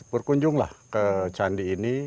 berkunjunglah ke candi ini